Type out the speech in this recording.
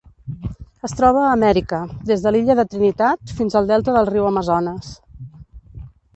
Es troba a Amèrica: des de l'illa de Trinitat fins al delta del riu Amazones.